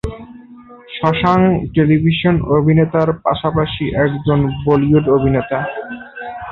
Shashanka television অভিনেতার পাশাপাশি একজন বলিউড অভিনেতা।